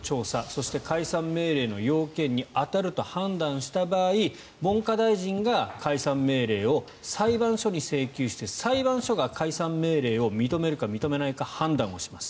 そして解散命令の要件に当たると判断した場合文科大臣が解散命令を裁判所に請求して裁判所が解散命令を認めるか認めないか判断します。